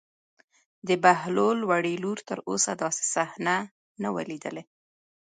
د بهلول وړې لور تر اوسه داسې صحنه نه وه لیدلې.